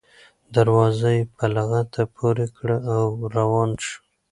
دروازه یې په لغته پورې کړه او روان شو.